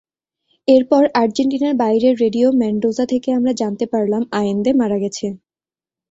এরপর আর্জেন্টিনার বাইরের রেডিও মেনডোজা থেকে আমরা জানতে পারলাম, আয়েন্দে মারা গেছেন।